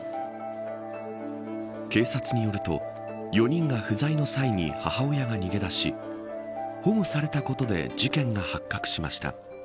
警察によると、４人が不在の際に母親が逃げ出し保護されたことで事件が発覚しました。